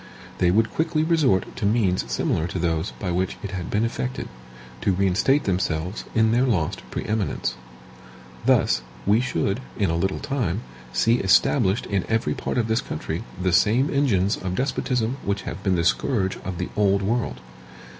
They would quickly resort to means similar to those by which it had been effected, to reinstate themselves in their lost pre eminence. Thus, we should, in a little time, see established in every part of this country the same engines of despotism which have been the scourge of the Old World.